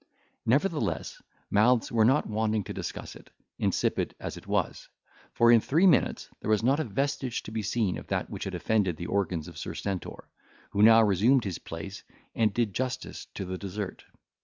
Nevertheless, mouths were not wanting to discuss it, insipid as it was; for in three minutes there was not a vestige to be seen of that which had offended the organs of Sir Stentor, who now resumed his place, and did justice to the dessert.